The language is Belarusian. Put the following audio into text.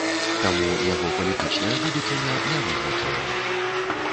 Таму яго палітычная будучыня не вызначаная.